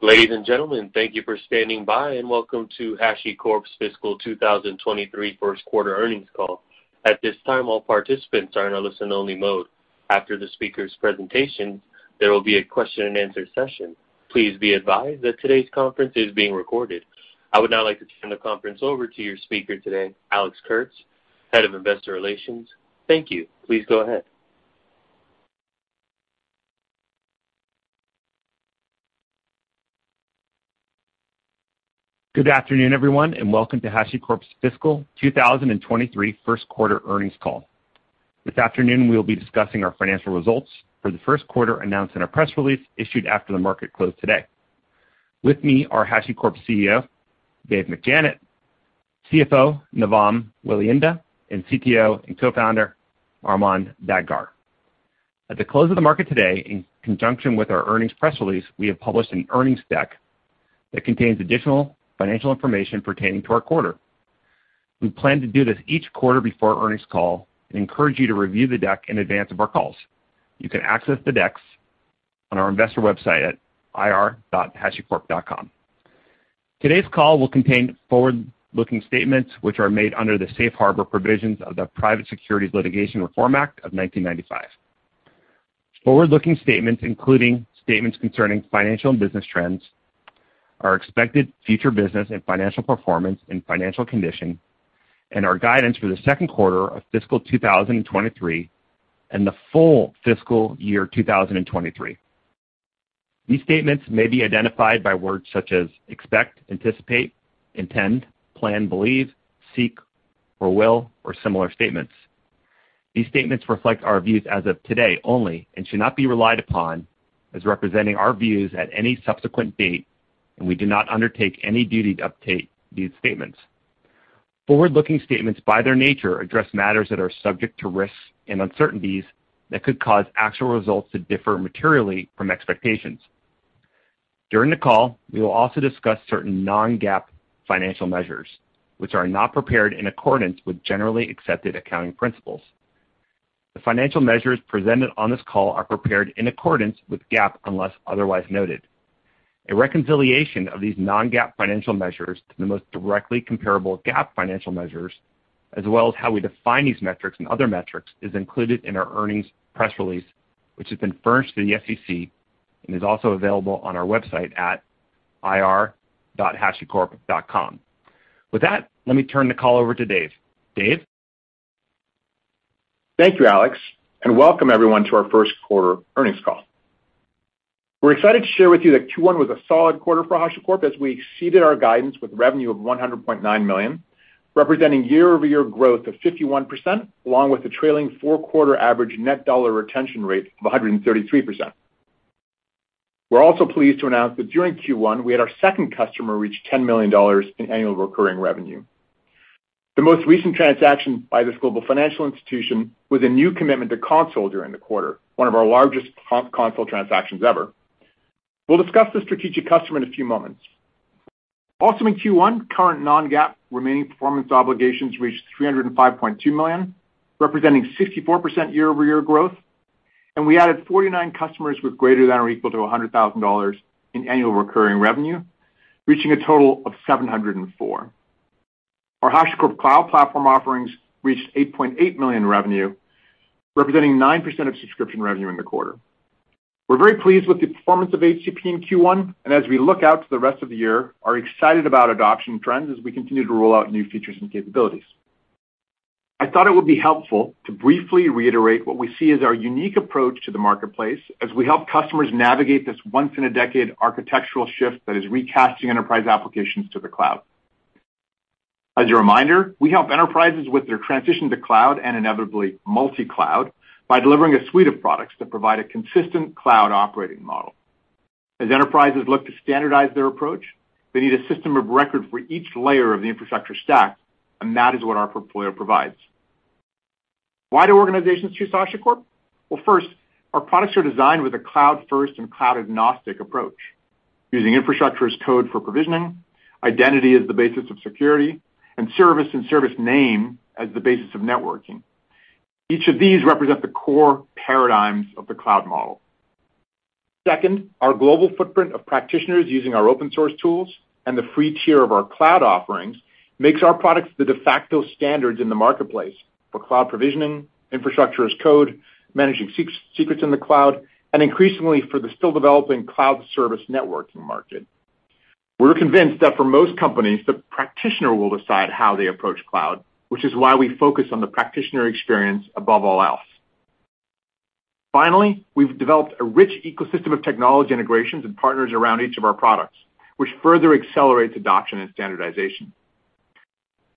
Ladies and gentlemen, thank you for standing by and welcome to HashiCorp's Fiscal 2023 first quarter earnings call. At this time, all participants are in a listen only mode. After the speaker's presentation, there will be a question and answer session. Please be advised that today's conference is being recorded. I would now like to turn the conference over to your speaker today, Alex Kurtz, Head of Investor Relations. Thank you. Please go ahead. Good afternoon, everyone, and welcome to HashiCorp's Fiscal 2023 first quarter earnings call. This afternoon we'll be discussing our financial results for the first quarter announced in our press release issued after the market closed today. With me are HashiCorp CEO Dave McJannet, CFO Navam Welihinda, and CTO and Co-founder Armon Dadgar. At the close of the market today, in conjunction with our earnings press release, we have published an earnings deck that contains additional financial information pertaining to our quarter. We plan to do this each quarter before our earnings call and encourage you to review the deck in advance of our calls. You can access the decks on our investor website at ir.hashicorp.com. Today's call will contain forward-looking statements which are made under the safe harbor provisions of the Private Securities Litigation Reform Act of 1995. Forward-looking statements, including statements concerning financial and business trends, our expected future business and financial performance and financial condition, and our guidance for the second quarter of fiscal 2023, and the full fiscal year 2023. These statements may be identified by words such as expect, anticipate, intend, plan, believe, seek, or will, or similar statements. These statements reflect our views as of today only, and should not be relied upon as representing our views at any subsequent date, and we do not undertake any duty to update these statements. Forward-looking statements, by their nature, address matters that are subject to risks and uncertainties that could cause actual results to differ materially from expectations. During the call, we will also discuss certain non-GAAP financial measures, which are not prepared in accordance with generally accepted accounting principles. The financial measures presented on this call are prepared in accordance with GAAP, unless otherwise noted. A reconciliation of these non-GAAP financial measures to the most directly comparable GAAP financial measures, as well as how we define these metrics and other metrics, is included in our earnings press release, which has been furnished to the SEC and is also available on our website at ir.hashicorp.com. With that, let me turn the call over to Dave. Dave? Thank you, Alex, and welcome everyone to our first quarter earnings call. We're excited to share with you that Q1 was a solid quarter for HashiCorp as we exceeded our guidance with revenue of $100.9 million, representing year-over-year growth of 51%, along with the trailing four-quarter average net dollar retention rate of 133%. We're also pleased to announce that during Q1, we had our second customer reach $10 million in annual recurring revenue. The most recent transaction by this global financial institution was a new commitment to Consul during the quarter, one of our largest Consul transactions ever. We'll discuss this strategic customer in a few moments. Also in Q1, current non-GAAP remaining performance obligations reached $305.2 million, representing 64% year-over-year growth, and we added 49 customers with greater than or equal to $100,000 in annual recurring revenue, reaching a total of 704. Our HashiCorp Cloud Platform offerings reached $8.8 million in revenue, representing 9% of subscription revenue in the quarter. We're very pleased with the performance of HCP in Q1, and as we look out to the rest of the year, are excited about adoption trends as we continue to roll out new features and capabilities. I thought it would be helpful to briefly reiterate what we see as our unique approach to the marketplace as we help customers navigate this once in a decade architectural shift that is recasting enterprise applications to the cloud. As a reminder, we help enterprises with their transition to cloud and inevitably multi-cloud by delivering a suite of products that provide a consistent cloud operating model. As enterprises look to standardize their approach, they need a system of record for each layer of the infrastructure stack, and that is what our portfolio provides. Why do organizations choose HashiCorp? Well, first, our products are designed with a cloud-first and cloud-agnostic approach, using infrastructure as code for provisioning, identity as the basis of security, and service networking as the basis of networking. Each of these represent the core paradigms of the cloud model. Second, our global footprint of practitioners using our open source tools and the free tier of our cloud offerings makes our products the de facto standards in the marketplace for cloud provisioning, infrastructure as code, managing secrets in the cloud, and increasingly for the still developing cloud service networking market. We're convinced that for most companies, the practitioner will decide how they approach cloud, which is why we focus on the practitioner experience above all else. Finally, we've developed a rich ecosystem of technology integrations and partners around each of our products, which further accelerates adoption and standardization.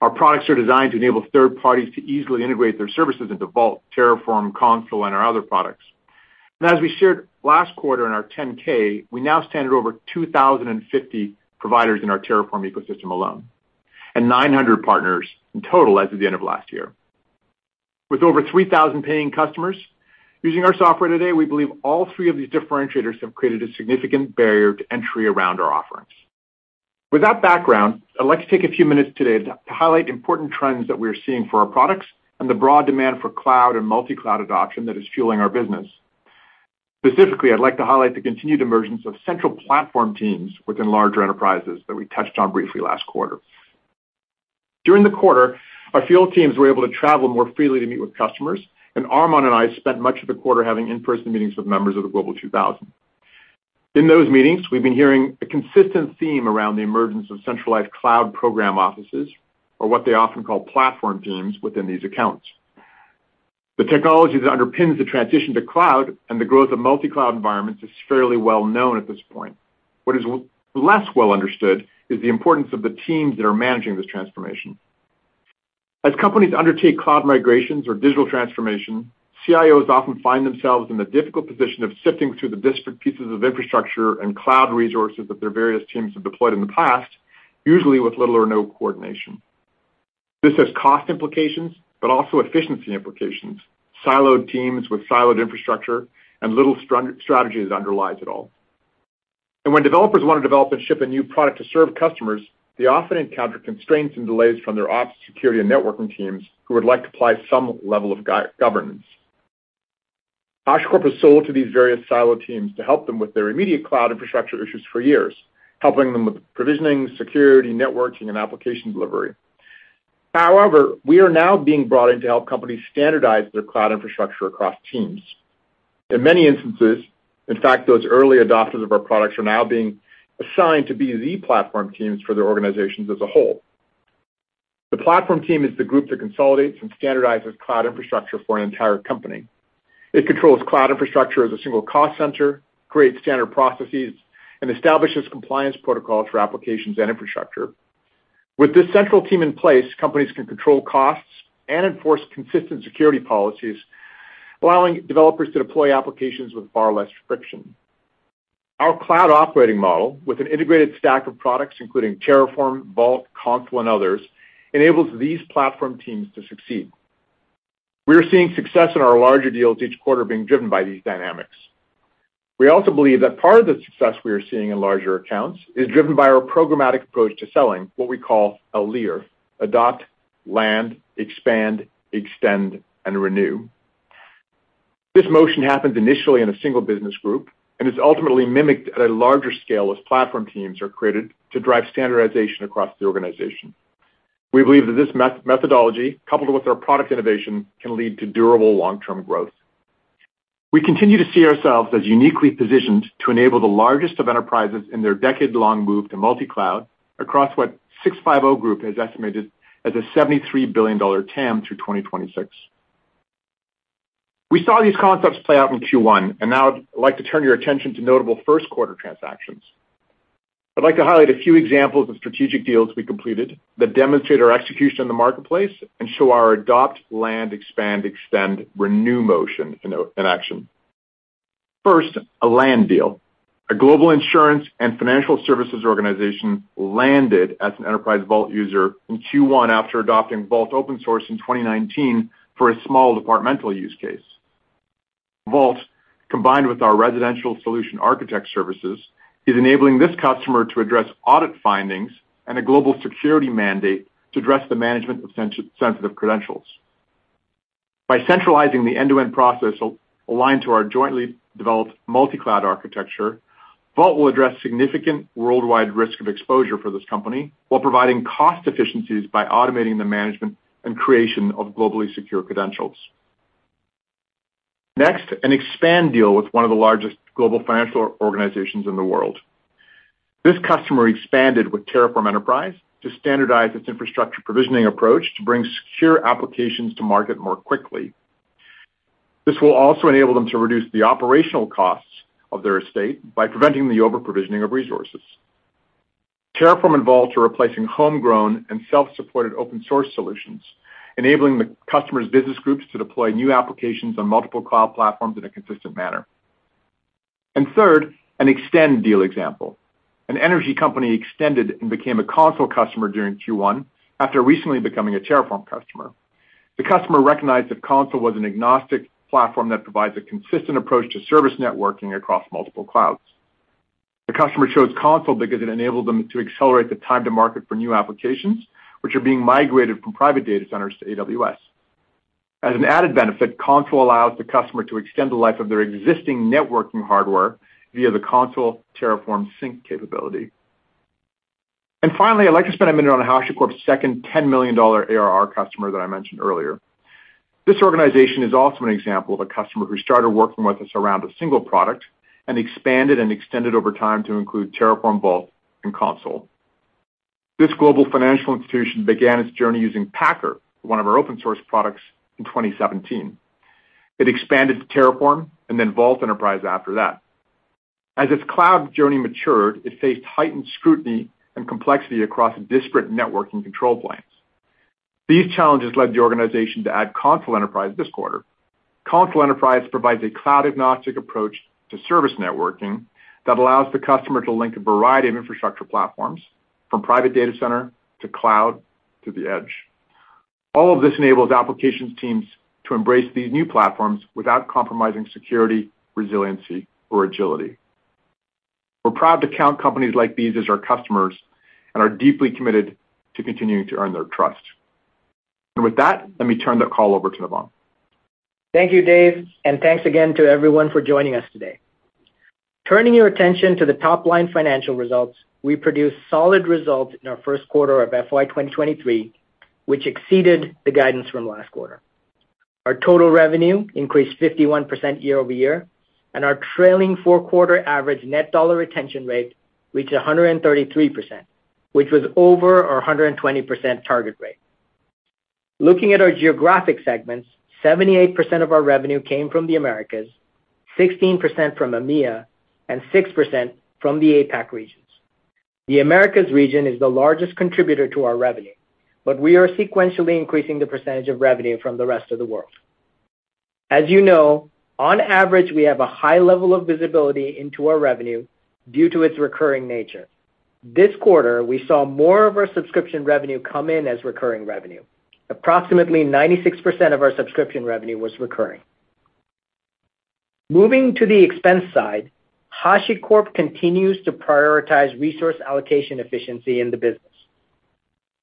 Our products are designed to enable third parties to easily integrate their services into Vault, Terraform, Consul, and our other products. As we shared last quarter in our 10-K, we now support over 2,050 providers in our Terraform ecosystem alone, and 900 partners in total as of the end of last year. With over 3,000 paying customers using our software today, we believe all three of these differentiators have created a significant barrier to entry around our offerings. With that background, I'd like to take a few minutes today to highlight important trends that we are seeing for our products and the broad demand for cloud and multi-cloud adoption that is fueling our business. Specifically, I'd like to highlight the continued emergence of central platform teams within larger enterprises that we touched on briefly last quarter. During the quarter, our field teams were able to travel more freely to meet with customers, and Armon and I spent much of the quarter having in-person meetings with members of the Global 2000. In those meetings, we've been hearing a consistent theme around the emergence of centralized cloud program offices or what they often call platform teams within these accounts. The technology that underpins the transition to cloud and the growth of multi-cloud environments is fairly well known at this point. What is less well understood is the importance of the teams that are managing this transformation. As companies undertake cloud migrations or digital transformation, CIOs often find themselves in the difficult position of sifting through the disparate pieces of infrastructure and cloud resources that their various teams have deployed in the past, usually with little or no coordination. This has cost implications, but also efficiency implications. Siloed teams with siloed infrastructure and little strategy that underlies it all. When developers want to develop and ship a new product to serve customers, they often encounter constraints and delays from their ops, security, and networking teams who would like to apply some level of governance. HashiCorp has sold to these various siloed teams to help them with their immediate cloud infrastructure issues for years, helping them with provisioning, security, networking, and application delivery. However, we are now being brought in to help companies standardize their cloud infrastructure across teams. In many instances, in fact, those early adopters of our products are now being assigned to be the platform teams for their organizations as a whole. The platform team is the group that consolidates and standardizes cloud infrastructure for an entire company. It controls cloud infrastructure as a single cost center, creates standard processes, and establishes compliance protocols for applications and infrastructure. With this central team in place, companies can control costs and enforce consistent security policies, allowing developers to deploy applications with far less friction. Our cloud operating model, with an integrated stack of products including Terraform, Vault, Consul, and others, enables these platform teams to succeed. We are seeing success in our larger deals each quarter being driven by these dynamics. We also believe that part of the success we are seeing in larger accounts is driven by our programmatic approach to selling, what we call ALEER, adopt, land, expand, extend, and renew. This motion happens initially in a single business group and is ultimately mimicked at a larger scale as platform teams are created to drive standardization across the organization. We believe that this methodology, coupled with our product innovation, can lead to durable long-term growth. We continue to see ourselves as uniquely positioned to enable the largest of enterprises in their decade-long move to multi-cloud across what 650 Group has estimated as a $73 billion TAM through 2026. We saw these concepts play out in Q1, and now I'd like to turn your attention to notable first quarter transactions. I'd like to highlight a few examples of strategic deals we completed that demonstrate our execution in the marketplace and show our adopt, land, expand, extend, renew motion in action. First, a land deal. A global insurance and financial services organization landed as a Vault Enterprise user in Q1 after adopting Vault open source in 2019 for a small departmental use case. Vault, combined with our resident solution architect services, is enabling this customer to address audit findings and a global security mandate to address the management of sensitive credentials. By centralizing the end-to-end process aligned to our jointly developed multi-cloud architecture, Vault will address significant worldwide risk of exposure for this company while providing cost efficiencies by automating the management and creation of globally secure credentials. Next, an expansion deal with one of the largest global financial organizations in the world. This customer expanded with Terraform Enterprise to standardize its infrastructure provisioning approach to bring secure applications to market more quickly. This will also enable them to reduce the operational costs of their estate by preventing the overprovisioning of resources. Terraform and Vault are replacing homegrown and self-supported open source solutions, enabling the customer's business groups to deploy new applications on multiple cloud platforms in a consistent manner. Third, an extend deal example. An energy company extended and became a Consul customer during Q1 after recently becoming a Terraform customer. The customer recognized that Consul was an agnostic platform that provides a consistent approach to service networking across multiple clouds. The customer chose Consul because it enabled them to accelerate the time to market for new applications, which are being migrated from private data centers to AWS. As an added benefit, Consul allows the customer to extend the life of their existing networking hardware via the Consul-Terraform-Sync capability. Finally, I'd like to spend a minute on HashiCorp's second $10 million ARR customer that I mentioned earlier. This organization is also an example of a customer who started working with us around a single product and expanded and extended over time to include Terraform, Vault, and Consul. This global financial institution began its journey using Packer, one of our open source products, in 2017. It expanded to Terraform and then Vault Enterprise after that. As its cloud journey matured, it faced heightened scrutiny and complexity across disparate networking control planes. These challenges led the organization to add Consul Enterprise this quarter. Consul Enterprise provides a cloud agnostic approach to service networking that allows the customer to link a variety of infrastructure platforms from private data center to cloud to the edge. All of this enables applications teams to embrace these new platforms without compromising security, resiliency, or agility. We're proud to count companies like these as our customers and are deeply committed to continuing to earn their trust. With that, let me turn the call over to Navam. Thank you, Dave, and thanks again to everyone for joining us today. Turning your attention to the top-line financial results, we produced solid results in our first quarter of FY 2023, which exceeded the guidance from last quarter. Our total revenue increased 51% year-over-year, and our trailing four-quarter average net dollar retention rate reached 133%, which was over our 120% target rate. Looking at our geographic segments, 78% of our revenue came from the Americas, 16% from EMEA, and 6% from the APAC regions. The Americas region is the largest contributor to our revenue, but we are sequentially increasing the percentage of revenue from the rest of the world. As you know, on average, we have a high level of visibility into our revenue due to its recurring nature. This quarter, we saw more of our subscription revenue come in as recurring revenue. Approximately 96% of our subscription revenue was recurring. Moving to the expense side, HashiCorp continues to prioritize resource allocation efficiency in the business.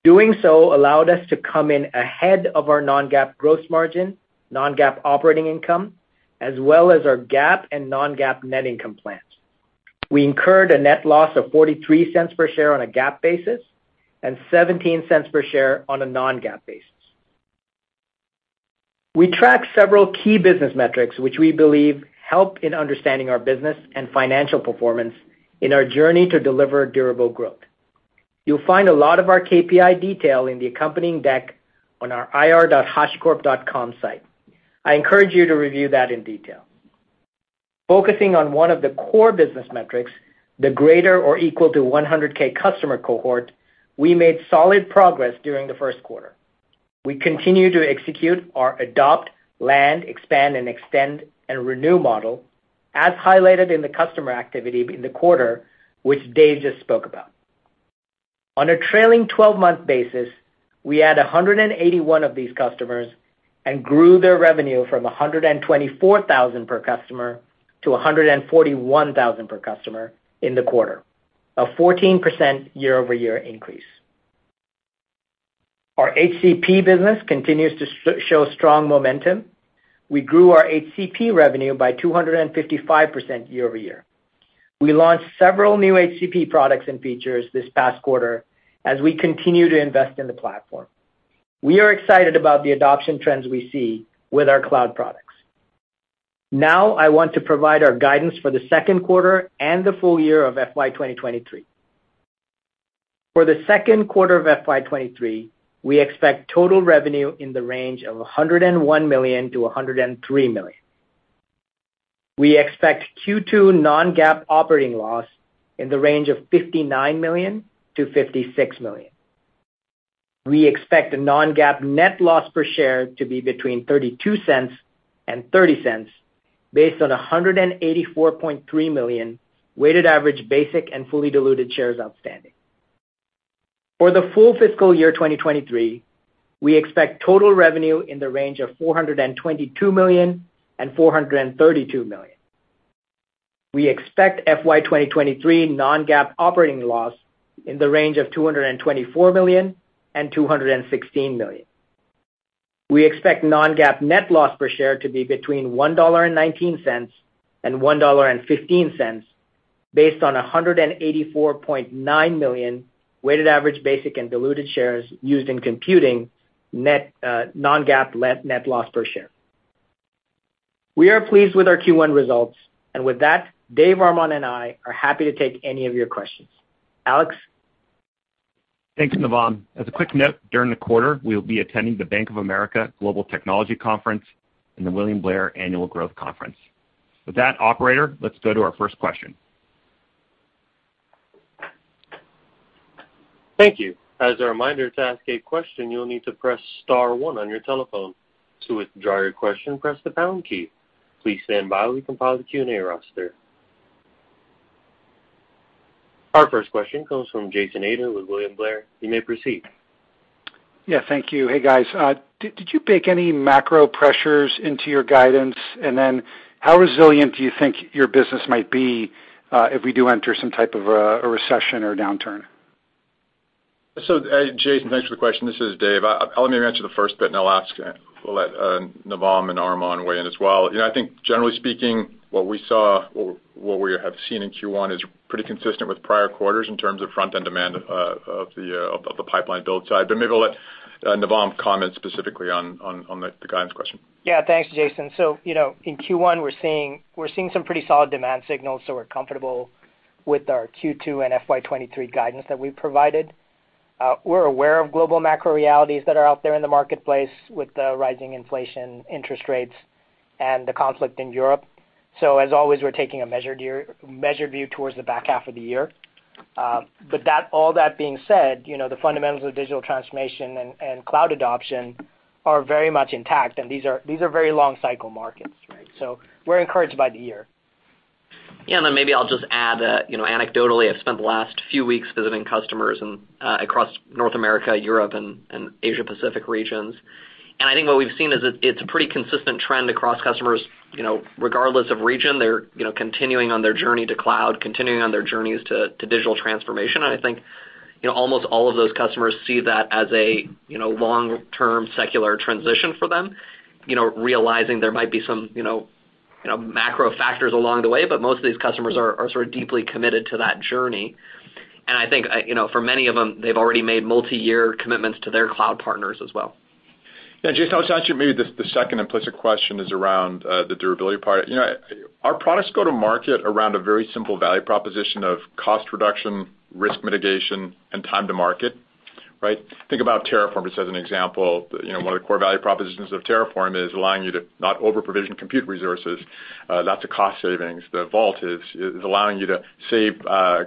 Doing so allowed us to come in ahead of our non-GAAP gross margin, non-GAAP operating income, as well as our GAAP and non-GAAP net income plans. We incurred a net loss of $0.43 per share on a GAAP basis and $0.17 per share on a non-GAAP basis. We track several key business metrics which we believe help in understanding our business and financial performance in our journey to deliver durable growth. You'll find a lot of our KPI detail in the accompanying deck on our ir.hashicorp.com site. I encourage you to review that in detail. Focusing on one of the core business metrics, the greater or equal to 100K customer cohort, we made solid progress during the first quarter. We continue to execute our adopt, land, expand, and extend and renew model as highlighted in the customer activity in the quarter, which Dave just spoke about. On a trailing twelve-month basis, we added 181 of these customers and grew their revenue from $124,000 per customer to $141,000 per customer in the quarter, a 14% year-over-year increase. Our HCP business continues to show strong momentum. We grew our HCP revenue by 255% year-over-year. We launched several new HCP products and features this past quarter as we continue to invest in the platform. We are excited about the adoption trends we see with our cloud products. Now, I want to provide our guidance for the second quarter and the full year of FY 2023. For the second quarter of FY 2023, we expect total revenue in the range of $101 million-$103 million. We expect Q2 non-GAAP operating loss in the range of $59 million-$56 million. We expect a non-GAAP net loss per share to be between $0.32 and $0.30 based on 184.3 million weighted average basic and fully diluted shares outstanding. For the full fiscal year 2023, we expect total revenue in the range of $422 million-$432 million. We expect FY 2023 non-GAAP operating loss in the range of $224 million-$216 million. We expect non-GAAP net loss per share to be between $1.19 and $1.15 based on 184.9 million weighted average basic and diluted shares used in computing non-GAAP net loss per share. We are pleased with our Q1 results, and with that, Dave, Armon, and I are happy to take any of your questions. Alex. Thanks, Navam. As a quick note, during the quarter, we'll be attending the Bank of America Global Technology Conference and the William Blair Annual Growth Conference. With that, operator, let's go to our first question. Thank you. As a reminder, to ask a question, you'll need to press star one on your telephone. To withdraw your question, press the pound key. Please stand by while we compile the Q&A roster. Our first question comes from Jason Ader with William Blair. You may proceed. Yeah, thank you. Hey, guys. Did you bake any macro pressures into your guidance? How resilient do you think your business might be, if we do enter some type of a recession or downturn? Jason, thanks for the question. This is Dave. Let me answer the first bit, and I'll ask, we'll let Navam and Armon weigh in as well. You know, I think generally speaking, what we saw or what we have seen in Q1 is pretty consistent with prior quarters in terms of front-end demand of the pipeline build side. Maybe I'll let Navam comment specifically on the guidance question. Yeah, thanks, Jason. You know, in Q1, we're seeing some pretty solid demand signals, so we're comfortable with our Q2 and FY 2023 guidance that we've provided. We're aware of global macro realities that are out there in the marketplace with the rising inflation, interest rates and the conflict in Europe. As always, we're taking a measured view towards the back half of the year. All that being said, you know, the fundamentals of digital transformation and cloud adoption are very much intact, and these are very long cycle markets, right? We're encouraged by the year. Yeah, then maybe I'll just add that, you know, anecdotally, I've spent the last few weeks visiting customers and across North America, Europe and Asia Pacific regions. I think what we've seen is it's a pretty consistent trend across customers, you know, regardless of region. They're, you know, continuing on their journey to cloud, continuing on their journeys to digital transformation. I think, you know, almost all of those customers see that as a, you know, long-term secular transition for them, you know, realizing there might be some, you know, macro factors along the way, but most of these customers are sort of deeply committed to that journey. I think, you know, for many of them, they've already made multiyear commitments to their cloud partners as well. Yeah, Jason, I was asking maybe the second implicit question is around the durability part. You know, our products go to market around a very simple value proposition of cost reduction, risk mitigation, and time to market, right? Think about Terraform as an example. You know, one of the core value propositions of Terraform is allowing you to not overprovision compute resources, that's a cost savings. The Vault is allowing you to save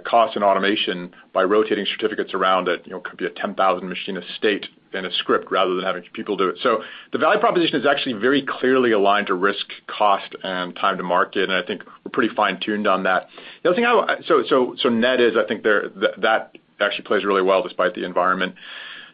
cost and automation by rotating certificates around it. You know, could be a 10,000 machine estate in a script rather than having people do it. So the value proposition is actually very clearly aligned to risk, cost, and time to market, and I think we're pretty fine-tuned on that. So net is I think that actually plays really well despite the environment.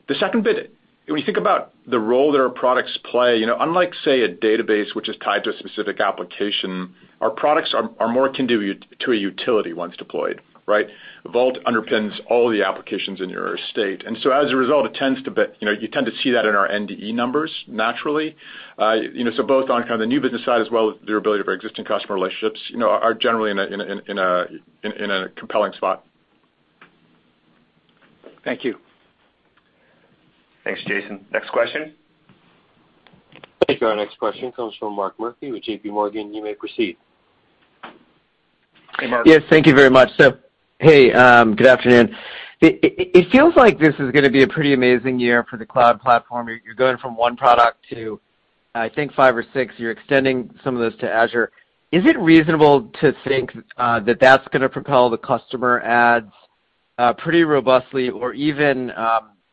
The second bit, when you think about the role that our products play, you know, unlike, say, a database which is tied to a specific application, our products are more akin to a utility once deployed, right? Vault underpins all the applications in your estate. As a result, it tends to be. You know, you tend to see that in our NDE numbers naturally. You know, so both on kind of the new business side as well as durability of our existing customer relationships, you know, are generally in a compelling spot. Thank you. Thanks, Jason. Next question. Thank you. Our next question comes from Mark Murphy with JPMorgan. You may proceed. Yes, thank you very much. Hey, good afternoon. It feels like this is gonna be a pretty amazing year for the cloud platform. You're going from one product to, I think, five or six. You're extending some of those to Azure. Is it reasonable to think that that's gonna propel the customer adds pretty robustly or even,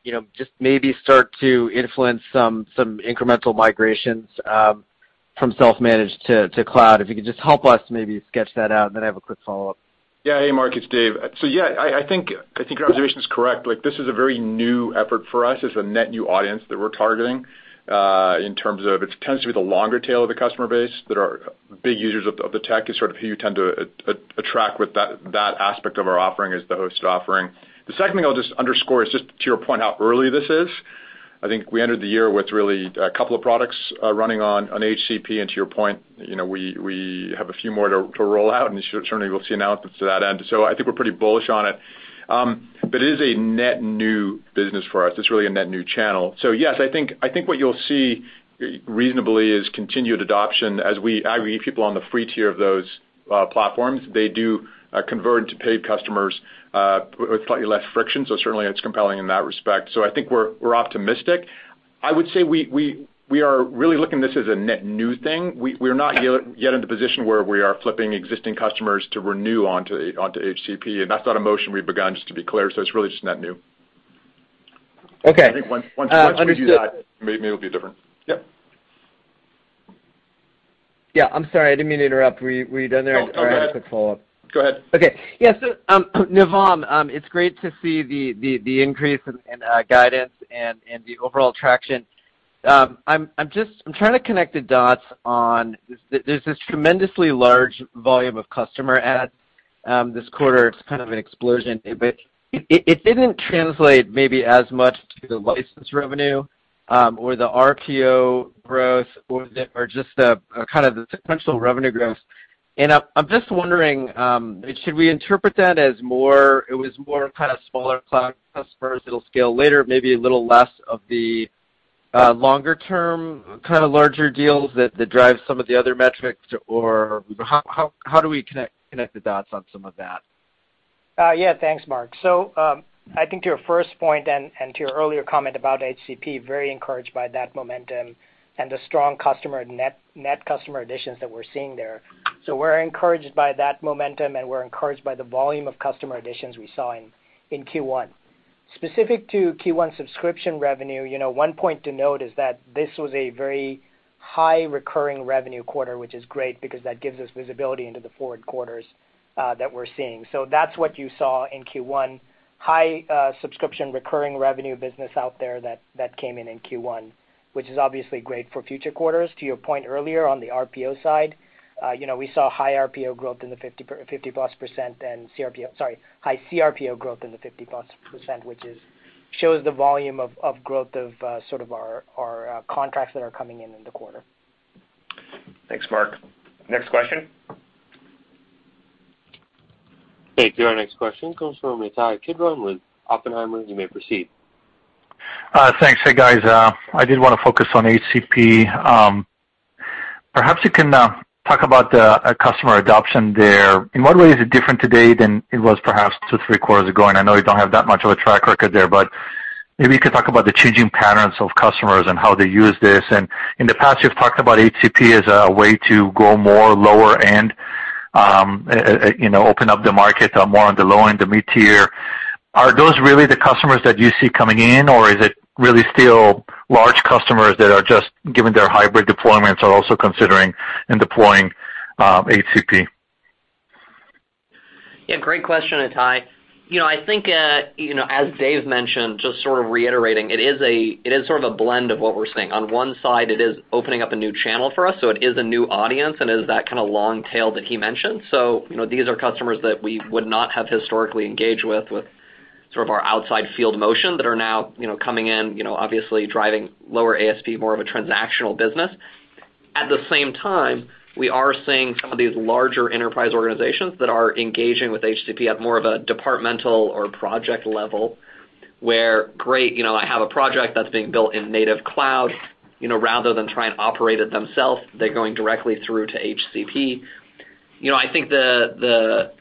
you know, just maybe start to influence some incremental migrations from self-managed to cloud? If you could just help us maybe sketch that out, and then I have a quick follow-up. Yeah. Hey, Mark, it's Dave. Yeah, I think your observation is correct. Like, this is a very new effort for us. It's a net new audience that we're targeting, in terms of it tends to be the longer tail of the customer base that are big users of the tech is sort of who you tend to attract with that aspect of our offering as the hosted offering. The second thing I'll just underscore is just to your point how early this is. I think we entered the year with really a couple of products running on HCP, and to your point, you know, we have a few more to roll out, and certainly we'll see announcements to that end. I think we're pretty bullish on it. But it is a net new business for us. It's really a net new channel. Yes, I think what you'll see reasonably is continued adoption as we aggregate people on the free tier of those platforms. They do convert into paid customers with slightly less friction, so certainly it's compelling in that respect. I think we're optimistic. I would say we are really looking at this as a net new thing. We're not yet in the position where we are flipping existing customers to renew onto HCP, and that's not a motion we've begun, just to be clear, so it's really just net new. Okay. I think once we do that, maybe it'll be different. Yep. Yeah. I'm sorry. I didn't mean to interrupt. Were you done there? No, go ahead. I had a quick follow-up. Go ahead. Okay. Yeah. Navam, it's great to see the increase in guidance and the overall traction. I'm trying to connect the dots on there's this tremendously large volume of customer adds this quarter. It's kind of an explosion, but it didn't translate maybe as much to the license revenue or the RPO growth or just the kind of the sequential revenue growth. I'm just wondering, should we interpret that as more kind of smaller cloud customers that'll scale later, maybe a little less of the longer term kinda larger deals that drive some of the other metrics? Or how do we connect the dots on some of that? Yeah. Thanks, Mark. I think to your first point and to your earlier comment about HCP, very encouraged by that momentum and the strong customer net customer additions that we're seeing there. We're encouraged by that momentum, and we're encouraged by the volume of customer additions we saw in Q1. Specific to Q1 subscription revenue, you know, one point to note is that this was a very high recurring revenue quarter, which is great because that gives us visibility into the forward quarters that we're seeing. That's what you saw in Q1, high subscription recurring revenue business out there that came in Q1, which is obviously great for future quarters. To your point earlier on the RPO side, you know, we saw high CRPO growth in the 50%+, which shows the volume of growth of sort of our contracts that are coming in in the quarter. Thanks, Mark. Next question. Thank you. Our next question comes from Ittai Kidron with Oppenheimer. You may proceed. Thanks. Hey, guys. I did wanna focus on HCP. Perhaps you can talk about the customer adoption there. In what way is it different today than it was perhaps two, three quarters ago? I know you don't have that much of a track record there, but maybe you could talk about the changing patterns of customers and how they use this. In the past, you've talked about HCP as a way to go more lower end, you know, open up the market more on the low end, the mid tier. Are those really the customers that you see coming in or is it really still large customers that are just having their hybrid deployments also considering and deploying HCP? Yeah, great question, Ittai. You know, I think, you know, as Dave mentioned, just sort of reiterating, it is sort of a blend of what we're seeing. On one side, it is opening up a new channel for us, so it is a new audience, and it is that kind of long tail that he mentioned. You know, these are customers that we would not have historically engaged with sort of our outside field motion that are now, you know, coming in, you know, obviously driving lower ASP, more of a transactional business. At the same time, we are seeing some of these larger enterprise organizations that are engaging with HCP at more of a departmental or project level where, great, you know, I have a project that's being built in native cloud, you know, rather than try and operate it themselves, they're going directly through to HCP. You know, I think the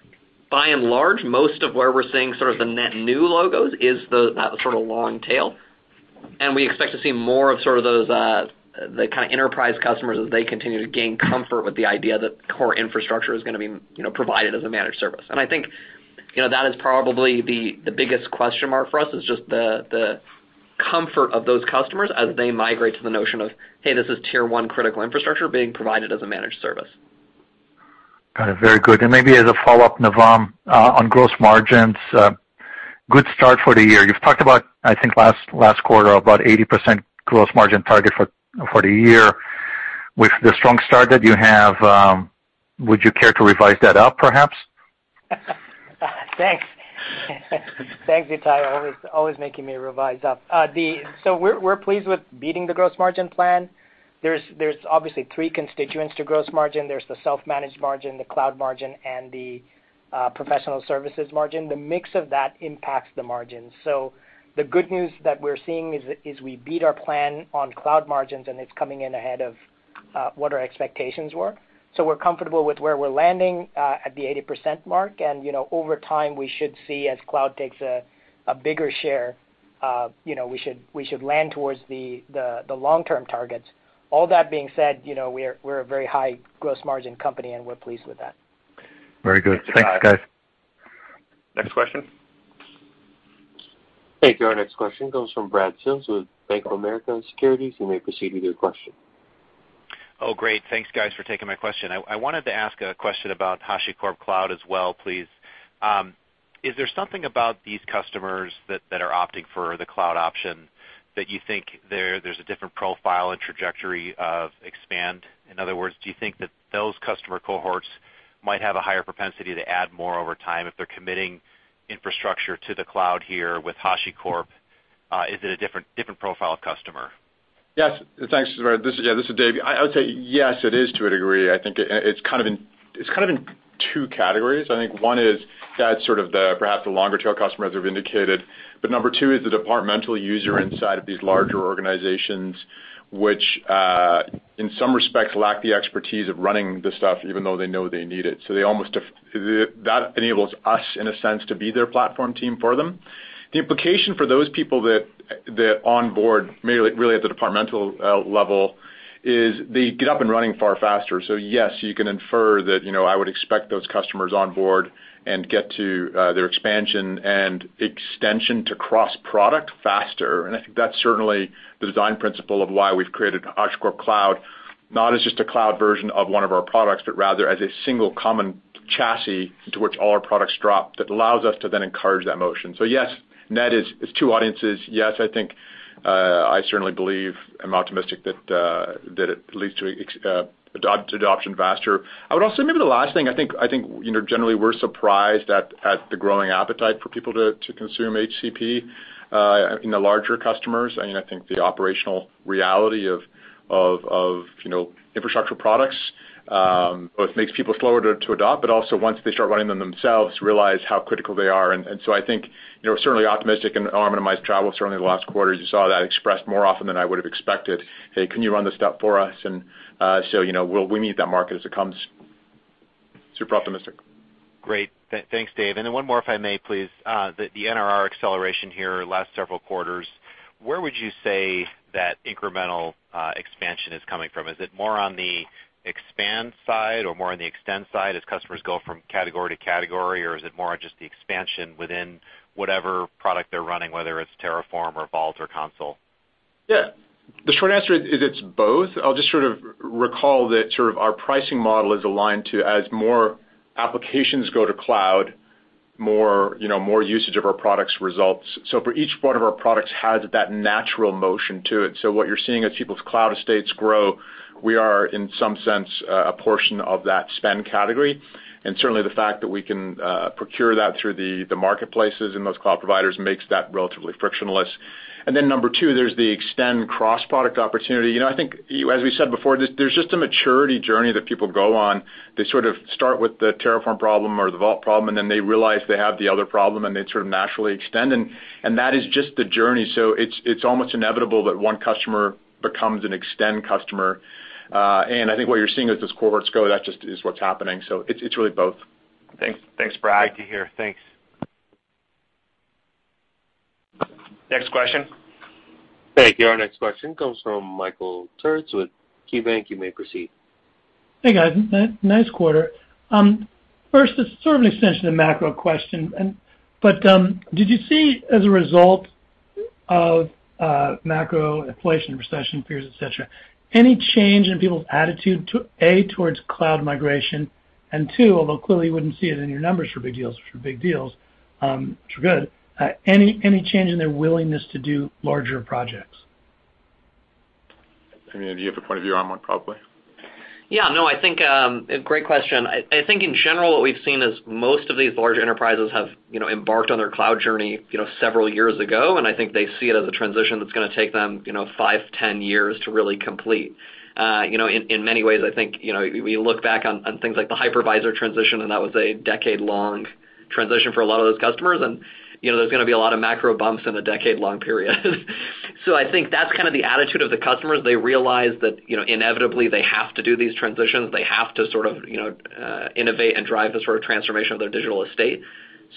by and large, most of where we're seeing sort of the net new logos is the, that sort of long tail. We expect to see more of sort of those, the kind of enterprise customers as they continue to gain comfort with the idea that core infrastructure is gonna be, you know, provided as a managed service. I think, you know, that is probably the biggest question mark for us is just the comfort of those customers as they migrate to the notion of, hey, this is Tier-1 critical infrastructure being provided as a managed service. Got it. Very good. Maybe as a follow-up, Navam, on gross margins, good start for the year. You've talked about, I think last quarter, about 80% gross margin target for the year. With the strong start that you have, would you care to revise that up, perhaps? Thanks. Thanks, Ittai. Always making me revise up. We're pleased with beating the gross margin plan. There's obviously three constituents to gross margin. There's the self-managed margin, the cloud margin, and the professional services margin. The mix of that impacts the margin. The good news that we're seeing is we beat our plan on cloud margins, and it's coming in ahead of what our expectations were. We're comfortable with where we're landing at the 80% mark. You know, over time, we should see as cloud takes a bigger share, you know, we should land towards the long-term targets. All that being said, you know, we're a very high gross margin company, and we're pleased with that. Very good. Thanks, guys. Next question. Thank you. Our next question comes from Brad Sills with Bank of America Securities. You may proceed with your question. Oh, great. Thanks, guys, for taking my question. I wanted to ask a question about HashiCorp Cloud as well, please. Is there something about these customers that are opting for the cloud option that you think there's a different profile and trajectory of expansion? In other words, do you think that those customer cohorts might have a higher propensity to add more over time if they're committing infrastructure to the cloud here with HashiCorp? Is it a different profile customer? Yes. Thanks, Brad. This is Dave. I would say yes, it is to a degree. I think it's kind of in two categories. I think one is that's sort of the, perhaps the longer tail customers have indicated. But number two is the departmental user inside of these larger organizations, which in some respects lack the expertise of running the stuff even though they know they need it. That enables us, in a sense, to be their platform team for them. The implication for those people that onboard really at the departmental level is they get up and running far faster. So yes, you can infer that, you know, I would expect those customers on board and get to their expansion and extension to cross-product faster. I think that's certainly the design principle of why we've created HashiCorp Cloud, not as just a cloud version of one of our products, but rather as a single common chassis to which all our products drop that allows us to then encourage that motion. Yes, net is two audiences. Yes, I think I certainly believe I'm optimistic that it leads to adoption faster. Maybe the last thing, I think you know, generally, we're surprised at the growing appetite for people to consume HCP in the larger customers. I mean, I think the operational reality of you know, infrastructure products both makes people slower to adopt, but also once they start running them themselves, realize how critical they are. I think, you know, certainly optimistic and optimized travel. Certainly the last quarter you saw that expressed more often than I would've expected. Hey, can you run this stuff for us? You know, we meet that market as it comes. Super optimistic. Great. Thanks, Dave. Then one more, if I may please. The NRR acceleration here last several quarters, where would you say that incremental expansion is coming from? Is it more on the expand side or more on the extend side as customers go from category to category, or is it more on just the expansion within whatever product they're running, whether it's Terraform or Vault or Consul? Yeah. The short answer is it's both. I'll just sort of recall that sort of our pricing model is aligned to as more applications go to cloud, more, you know, more usage of our products results. For each one of our products has that natural motion to it. What you're seeing as people's cloud estates grow, we are in some sense a portion of that spend category. Certainly, the fact that we can procure that through the marketplaces and those cloud providers makes that relatively frictionless. Number two, there's the extend cross-product opportunity. You know, I think. As we said before, there's just a maturity journey that people go on. They sort of start with the Terraform problem or the Vault problem, and then they realize they have the other problem, and they sort of naturally extend. That is just the journey. It's almost inevitable that one customer becomes an expanded customer. I think what you're seeing as those cohorts go, that just is what's happening. It's really both. Thanks. Thanks, Brad. Good to hear. Thanks. Next question. Thank you. Our next question comes from Michael Turits with KeyBanc. You may proceed. Hey, guys. Nice quarter. First, it's sort of an extension of macro question, but did you see as a result of macro inflation, recession fears, et cetera, any change in people's attitude to A, towards cloud migration, and two, although clearly you wouldn't see it in your numbers for big deals, which are big deals, which are good, any change in their willingness to do larger projects? I mean, do you have a point of view, Armon, probably? Yeah, no, I think a great question. I think in general, what we've seen is most of these large enterprises have, you know, embarked on their cloud journey, you know, several years ago, and I think they see it as a transition that's gonna take them, you know, five, 10 years to really complete. You know, in many ways, I think, you know, we look back on things like the hypervisor transition, and that was a decade-long transition for a lot of those customers and, you know, there's gonna be a lot of macro bumps in a decade-long period. I think that's kind of the attitude of the customers. They realize that, you know, inevitably they have to do these transitions. They have to sort of, you know, innovate and drive the sort of transformation of their digital estate.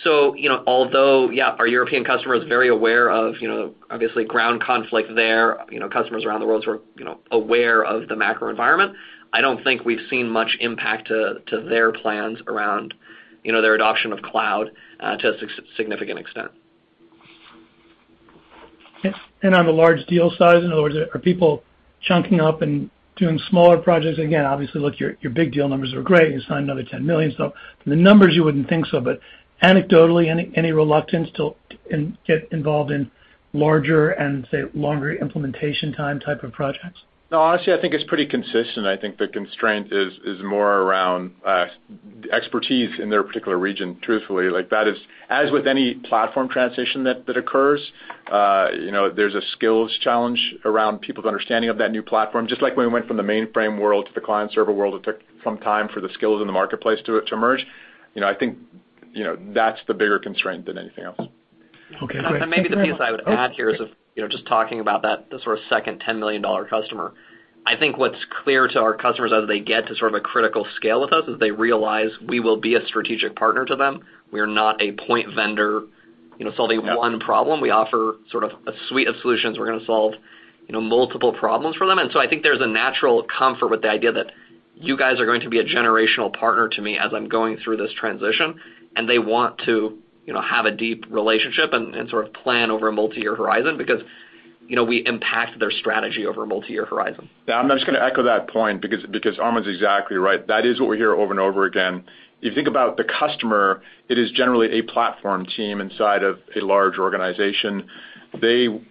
You know, although, yeah, our European customer is very aware of, you know, obviously ground conflict there, you know, customers around the world sort of, you know, aware of the macro environment. I don't think we've seen much impact to their plans around, you know, their adoption of cloud to a significant extent. On the large deal size, in other words, are people chunking up and doing smaller projects? Again, obviously, look, your big deal numbers are great. You signed another $10 million. From the numbers, you wouldn't think so. Anecdotally, any reluctance to get involved in larger and, say, longer implementation time type of projects? No. Honestly, I think it's pretty consistent. I think the constraint is more around expertise in their particular region, truthfully. As with any platform transition that occurs, you know, there's a skills challenge around people's understanding of that new platform. Just like when we went from the mainframe world to the client-server world, it took some time for the skills in the marketplace to emerge. You know, I think that's the bigger constraint than anything else. Okay, great. Maybe the piece I would add here is if, you know, just talking about that, the sort of second $10 million customer. I think what's clear to our customers as they get to sort of a critical scale with us is they realize we will be a strategic partner to them. We are not a point vendor, you know, solving one problem. We offer sort of a suite of solutions. We're gonna solve, you know, multiple problems for them. I think there's a natural comfort with the idea that you guys are going to be a generational partner to me as I'm going through this transition, and they want to, you know, have a deep relationship and sort of plan over a multi-year horizon because, you know, we impact their strategy over a multi-year horizon. Yeah. I'm just gonna echo that point because Armon's exactly right. That is what we hear over and over again. If you think about the customer, it is generally a platform team inside of a large organization. They, you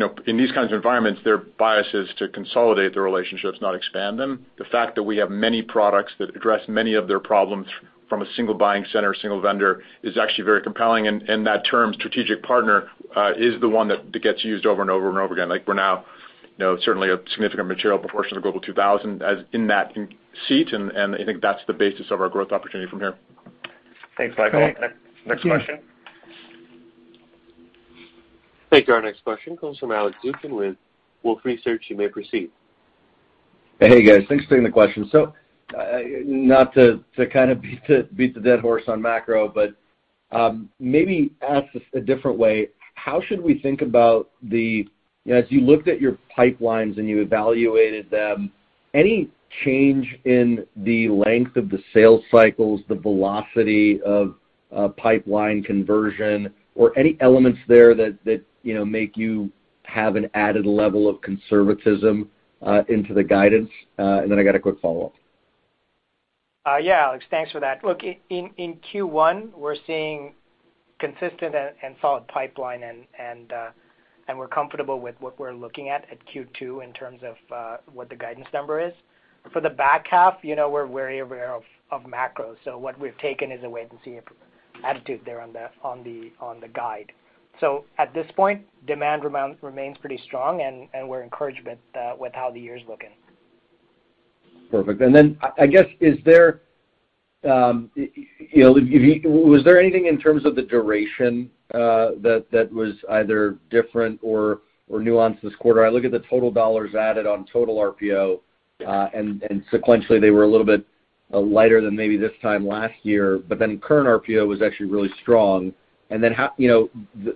know, in these kinds of environments, their bias is to consolidate the relationships, not expand them. The fact that we have many products that address many of their problems from a single buying center, single vendor, is actually very compelling. That term, strategic partner, is the one that gets used over and over and over again. Like we're now, you know, certainly a significant material proportion of the Global 2000 as in that seat, and I think that's the basis of our growth opportunity from here. Thanks, Michael. Next question. Thank you. Our next question comes from Alex Zukin with Wolfe Research. You may proceed. Hey. Hey, guys. Thanks for taking the question. Not to kind of beat the dead horse on macro, but maybe ask this a different way, how should we think about, as you looked at your pipelines and you evaluated them, any change in the length of the sales cycles, the velocity of pipeline conversion or any elements there that you know make you have an added level of conservatism into the guidance? I got a quick follow-up. Yeah, Alex, thanks for that. Look, in Q1, we're seeing consistent and solid pipeline and we're comfortable with what we're looking at at Q2 in terms of what the guidance number is. For the back half, you know, we're aware of macro. What we've taken is a wait and see attitude there on the guide. At this point, demand remains pretty strong, and we're encouraged with how the year's looking. Perfect. I guess, is there, you know, was there anything in terms of the duration that was either different or nuanced this quarter? I look at the total dollars added on total RPO, and sequentially they were a little bit lighter than maybe this time last year. Current RPO was actually really strong. You know,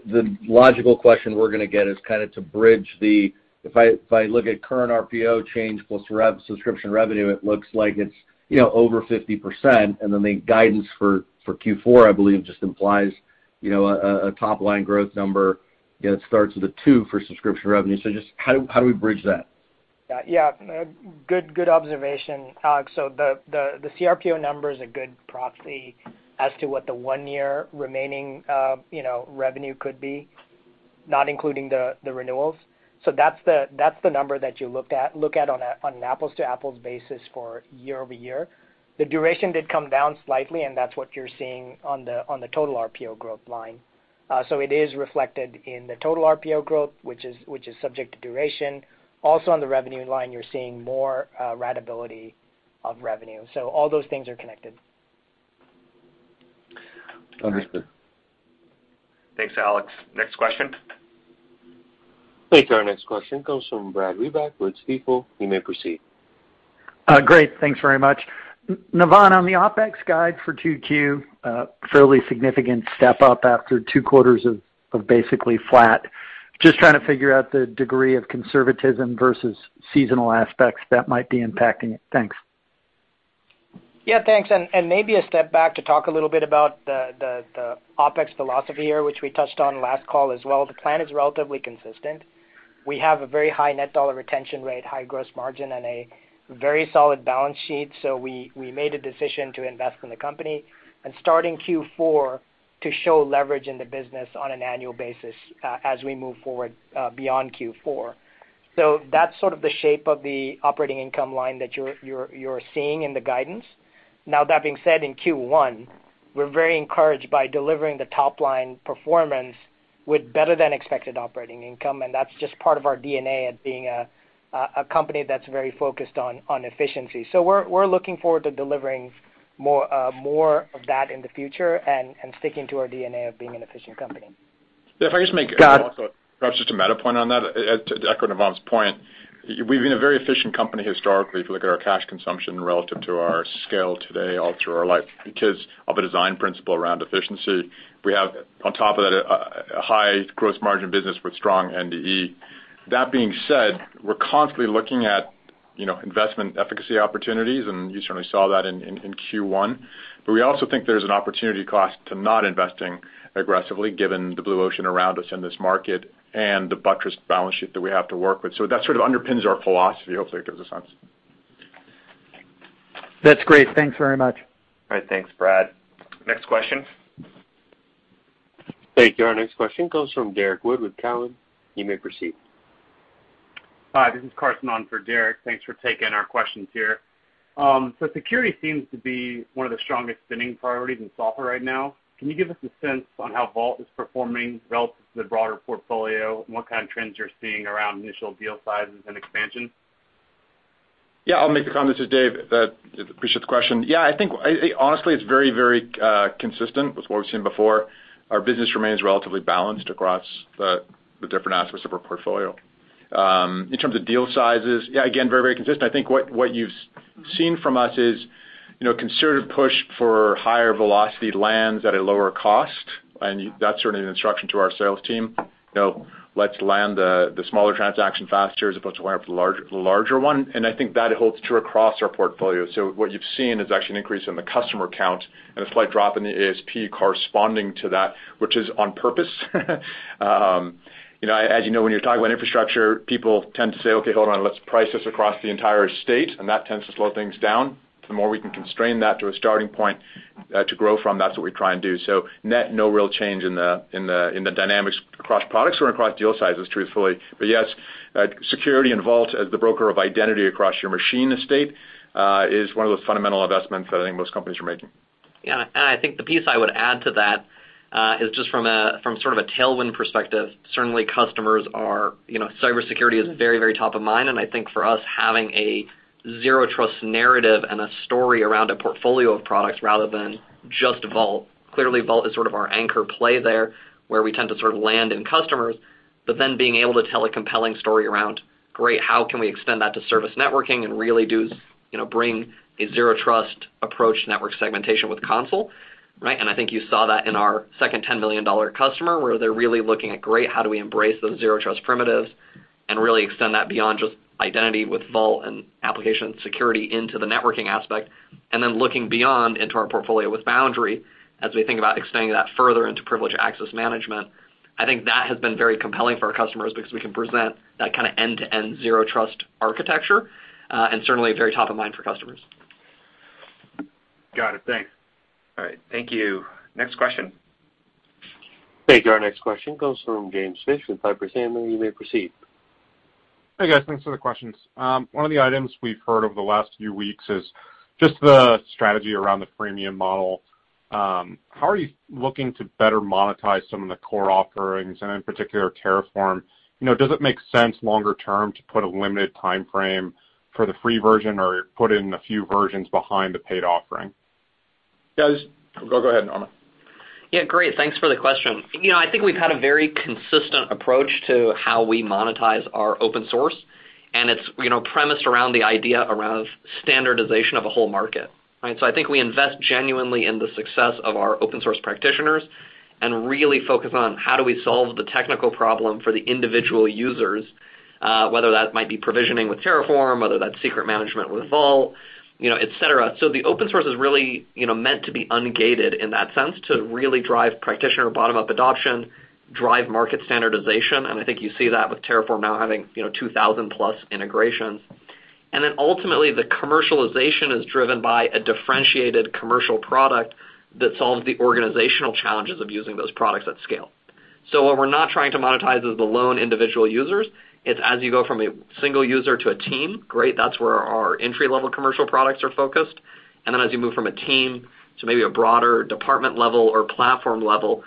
the logical question we're gonna get is kinda to bridge the if I look at current RPO change plus subscription revenue, it looks like it's, you know, over 50%, and then the guidance for Q4, I believe, just implies, you know, a top-line growth number, you know, that starts with a two for subscription revenue. Just how do we bridge that? Yeah. Good observation, Alex. The CRPO number is a good proxy as to what the one-year remaining, you know, revenue could be, not including the renewals. That's the number that you looked at on an apples-to-apples basis for year-over-year. The duration did come down slightly, and that's what you're seeing on the total RPO growth line. It is reflected in the total RPO growth, which is subject to duration. Also, on the revenue line, you're seeing more ratability of revenue. All those things are connected. Understood. Thanks, Alex. Next question. Thank you. Our next question comes from Brad Reback with Stifel. You may proceed. Great. Thanks very much. Navam, on the OpEx guide for 2Q, fairly significant step up after two quarters of basically flat. Just trying to figure out the degree of conservatism versus seasonal aspects that might be impacting it. Thanks. Yeah, thanks. Maybe a step back to talk a little bit about the OpEx philosophy here, which we touched on last call as well. The plan is relatively consistent. We have a very high net dollar retention rate, high gross margin, and a very solid balance sheet. We made a decision to invest in the company and starting Q4 to show leverage in the business on an annual basis, as we move forward, beyond Q4. That's sort of the shape of the operating income line that you're seeing in the guidance. Now that being said, in Q1, we're very encouraged by delivering the top line performance with better than expected operating income, and that's just part of our DNA at being a company that's very focused on efficiency. We're looking forward to delivering more of that in the future and sticking to our DNA of being an efficient company. If I could just make- Got it. Perhaps just a meta point on that. To echo Navam's point, we've been a very efficient company historically, if you look at our cash consumption relative to our scale today all through our life because of a design principle around efficiency. We have on top of that a high gross margin business with strong NDE. That being said, we're constantly looking at, you know, investment efficacy opportunities, and you certainly saw that in Q1. We also think there's an opportunity cost to not investing aggressively given the blue ocean around us in this market and the buttressed balance sheet that we have to work with. That sort of underpins our philosophy. Hopefully, it gives a sense. That's great. Thanks very much. All right. Thanks, Brad. Next question. Thank you. Our next question comes from Derrick Wood with Cowen. You may proceed. Hi, this is Carson on for Derrick. Thanks for taking our questions here. Security seems to be one of the strongest spending priorities in software right now. Can you give us a sense on how Vault is performing relative to the broader portfolio and what kind of trends you're seeing around initial deal sizes and expansion? Yeah, I'll make the comment. This is Dave. Appreciate the question. Yeah, I think honestly, it's very consistent with what we've seen before. Our business remains relatively balanced across the different aspects of our portfolio. In terms of deal sizes, yeah, again, very consistent. I think what you've seen from us is, you know, concerted push for higher velocity lands at a lower cost, and that's certainly an instruction to our sales team. You know, let's land the smaller transaction faster as opposed to going after the larger one, and I think that holds true across our portfolio. What you've seen is actually an increase in the customer count and a slight drop in the ASP corresponding to that, which is on purpose. You know, as you know, when you're talking about infrastructure, people tend to say, "Okay, hold on. Let's price this across the entire estate." And that tends to slow things down. The more we can constrain that to a starting point, to grow from, that's what we try and do. Net, no real change in the dynamics across products or across deal sizes, truthfully. Yes, security and Vault as the broker of identity across your machine estate, is one of those fundamental investments that I think most companies are making. Yeah. I think the piece I would add to that is just from sort of a tailwind perspective. Certainly customers are, you know, cybersecurity is very, very top of mind, and I think for us having a zero trust narrative and a story around a portfolio of products rather than just Vault. Clearly, Vault is sort of our anchor play there, where we tend to sort of land in customers. But then being able to tell a compelling story around, great, how can we extend that to service networking and really do, you know, bring a zero trust approach network segmentation with Consul, right? I think you saw that in our second $10 million customer, where they're really looking at, great, how do we embrace those zero trust primitives and really extend that beyond just identity with Vault and application security into the networking aspect, and then looking beyond into our portfolio with Foundry as we think about extending that further into privileged access management. I think that has been very compelling for our customers because we can present that kind of end-to-end zero trust architecture, and certainly very top of mind for customers. Got it. Thanks. All right. Thank you. Next question. Thank you. Our next question comes from James Fish with Piper Sandler. You may proceed. Hey, guys. Thanks for the questions. One of the items we've heard over the last few weeks is just the strategy around the freemium model. How are you looking to better monetize some of the core offerings and in particular Terraform? You know, does it make sense longer term to put a limited timeframe for the free version or put in a few versions behind the paid offering? Yeah. Go ahead, Armon. Yeah, great. Thanks for the question. You know, I think we've had a very consistent approach to how we monetize our open source, and it's, you know, premised around the idea around standardization of a whole market, right? I think we invest genuinely in the success of our open source practitioners and really focus on how do we solve the technical problem for the individual users, whether that might be provisioning with Terraform, whether that's secret management with Vault, you know, et cetera. The open source is really, you know, meant to be ungated in that sense to really drive practitioner bottom-up adoption, drive market standardization, and I think you see that with Terraform now having, you know, 2,000+ integrations. Ultimately, the commercialization is driven by a differentiated commercial product that solves the organizational challenges of using those products at scale. What we're not trying to monetize is the lone individual users. It's as you go from a single user to a team, great. That's where our entry-level commercial products are focused. As you move from a team to maybe a broader department level or platform level,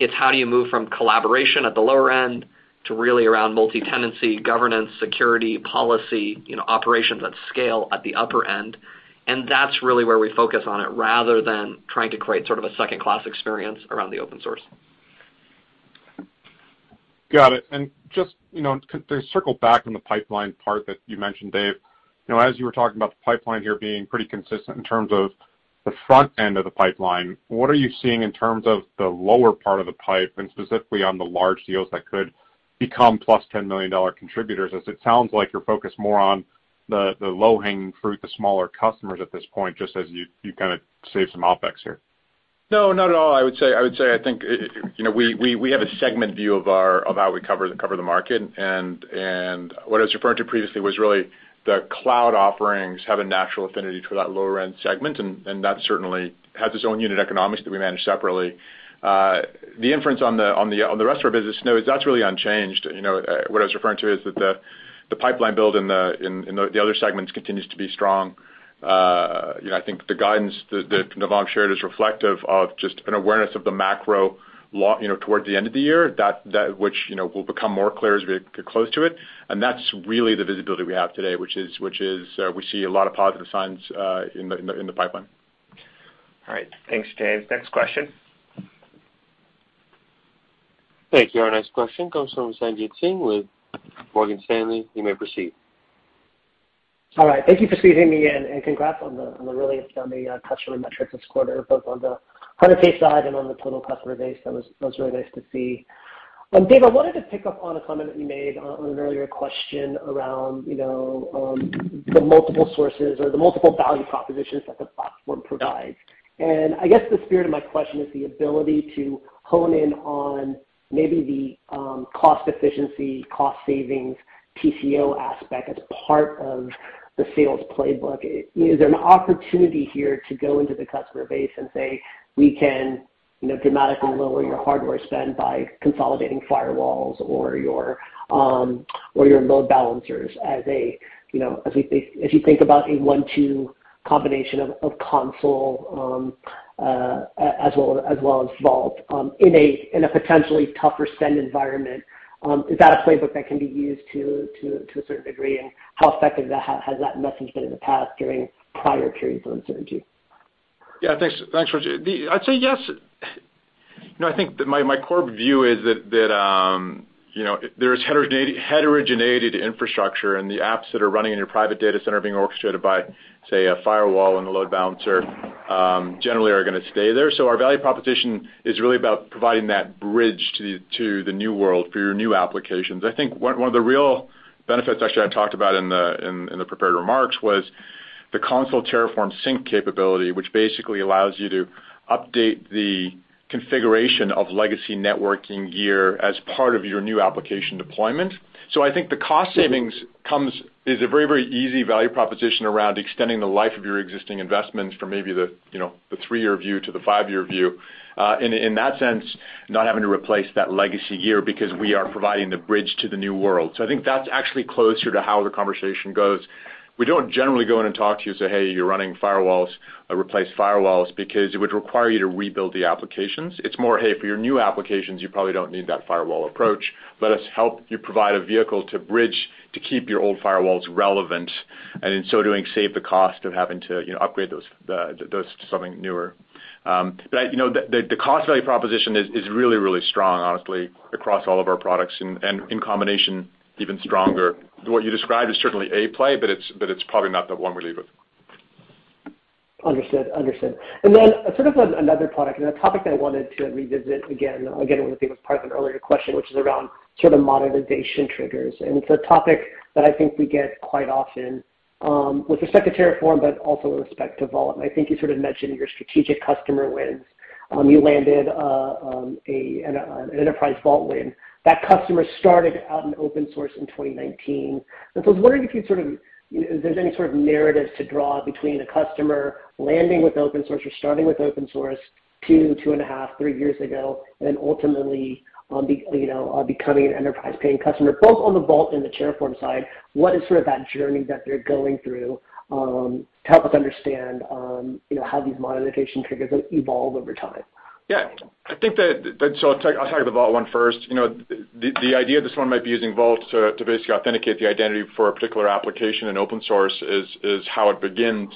it's how do you move from collaboration at the lower end to really around multi-tenancy, governance, security, policy, you know, operations at scale at the upper end. That's really where we focus on it rather than trying to create sort of a second-class experience around the open source. Got it. Just, you know, to circle back on the pipeline part that you mentioned, Dave. You know, as you were talking about the pipeline here being pretty consistent in terms of the front end of the pipeline, what are you seeing in terms of the lower part of the pipe, and specifically on the large deals that could become plus $10 million contributors, as it sounds like you're focused more on the low-hanging fruit, the smaller customers at this point, just as you kinda save some OpEx here. No, not at all. I would say I think, you know, we have a segment view of how we cover the market. What I was referring to previously was really the cloud offerings have a natural affinity for that lower end segment, and that certainly has its own unit economics that we manage separately. The impact on the rest of our business, you know, that's really unchanged. What I was referring to is that the pipeline build in the other segments continues to be strong. I think the guidance that Navam shared is reflective of just an awareness of the macro, you know, towards the end of the year. That which, you know, will become more clear as we get close to it. That's really the visibility we have today, which is, we see a lot of positive signs in the pipeline. All right. Thanks, Dave. Next question. Thank you. Our next question comes from Sanjit Singh with Morgan Stanley. You may proceed. All right. Thank you for squeezing me in, and congrats on the really outstanding customer metrics this quarter, both on the 100K side and on the total customer base. That was really nice to see. Dave, I wanted to pick up on a comment that you made on an earlier question around, you know, the multiple sources or the multiple value propositions that the platform provides. I guess the spirit of my question is the ability to hone in on maybe the cost efficiency, cost savings, TCO aspect as part of the sales playbook. Is there an opportunity here to go into the customer base and say, "We can, you know, dramatically lower your hardware spend by consolidating firewalls or your load balancers as you think about a one-two combination of Consul as well as Vault in a potentially tougher spend environment. Is that a playbook that can be used to a certain degree, and how effective has that message been in the past during prior periods of uncertainty? Yeah. Thanks. Thanks, Sanjit. I'd say yes. You know, I think that my core view is that, you know, there's heterogeneity to infrastructure and the apps that are running in your private data center being orchestrated by, say, a firewall and a load balancer, generally are gonna stay there. Our value proposition is really about providing that bridge to the new world for your new applications. I think one of the real benefits actually I talked about in the prepared remarks was the Consul-Terraform-Sync capability, which basically allows you to update the configuration of legacy networking gear as part of your new application deployment. I think the cost savings is a very, very easy value proposition around extending the life of your existing investments for maybe the, you know, the three-year view to the five-year view. In that sense, not having to replace that legacy gear because we are providing the bridge to the new world. I think that's actually closer to how the conversation goes. We don't generally go in and talk to you and say, "Hey, you're running firewalls. Replace firewalls," because it would require you to rebuild the applications. It's more, hey, for your new applications, you probably don't need that firewall approach. Let us help you provide a vehicle to bridge to keep your old firewalls relevant, and in so doing, save the cost of having to, you know, upgrade those to something newer. You know, the cost value proposition is really strong, honestly, across all of our products and in combination, even stronger. What you described is certainly a play, but it's probably not the one we lead with. Understood. Sort of another product and a topic that I wanted to revisit again. Again, I think it was part of an earlier question, which is around sort of monetization triggers. It's a topic that I think we get quite often with respect to Terraform, but also with respect to Vault. I think you sort of mentioned your strategic customer wins. You landed an enterprise Vault win. That customer started out in open source in 2019. I was wondering if you'd sort of if there's any sort of narrative to draw between a customer landing with open source or starting with open source two and a half, three years ago, and then ultimately, you know, becoming an enterprise-paying customer, both on the Vault and the Terraform side. What is sort of that journey that they're going through, to help us understand, you know, how these monetization triggers evolve over time? Yeah. I think. I'll talk to the Vault one first. You know, the idea this one might be using Vault to basically authenticate the identity for a particular application in open source is how it begins.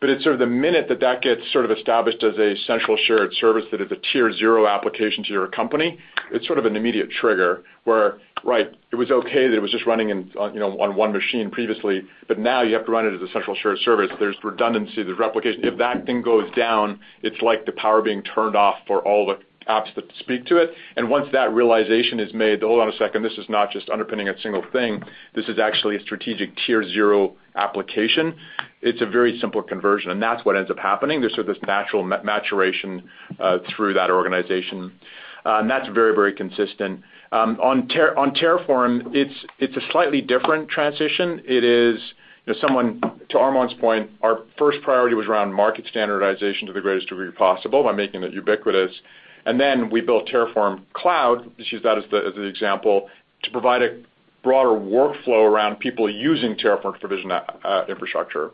It's sort of the minute that gets sort of established as a central shared service that is a Tier zero application to your company. It's sort of an immediate trigger where, right, it was okay that it was just running in, you know, on one machine previously, but now you have to run it as a central shared service. There's redundancy, there's replication. If that thing goes down, it's like the power being turned off for all the apps that speak to it. Once that realization is made, hold on a second, this is not just underpinning a single thing, this is actually a strategic Tier zero application, it's a very simple conversion, and that's what ends up happening. There's sort of this natural maturation through that organization. That's very consistent. On Terraform, it's a slightly different transition. It is, you know, to Armon's point, our first priority was around market standardization to the greatest degree possible by making it ubiquitous. Then we built Terraform Cloud, let's use that as the example, to provide a broader workflow around people using Terraform to provision infrastructure.